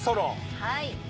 はい。